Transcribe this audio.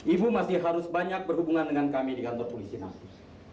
ibu masih harus banyak berhubungan dengan kami di kantor polisi